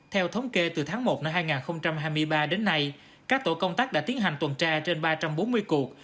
theo thống kê từ tháng một năm hai nghìn hai mươi ba đến nay các tổ công tác đã tiến hành tuần tra trên ba trăm bốn mươi cuộc